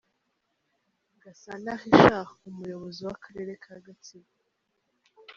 Gasana Richard, umuyobozi w'akarere ka Gatsibo.